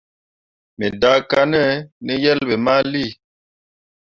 Me daakanne ne yelbe mali.